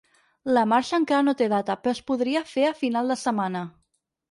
La marxa encara no té data, però es podria fer a final de setmana.